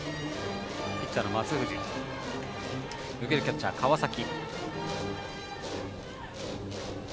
ピッチャーの松藤受けるキャッチャーは川崎。